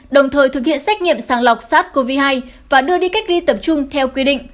đồng thời thực hiện xét nghiệm sàng lọc sars cov hai và đưa đi cách ly tập trung theo quy định